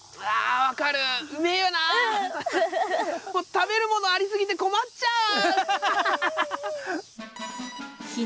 食べるものありすぎて困っちゃう。